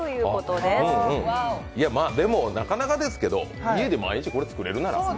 でもなかなかですけど、家で毎日これ作れるなら。